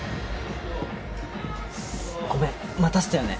ごめん待たせたよね。